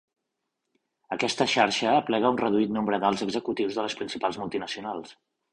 Aquesta xarxa aplega un reduït nombre d'alts executius de les principals multinacionals.